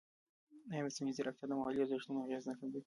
ایا مصنوعي ځیرکتیا د محلي ارزښتونو اغېز نه کموي؟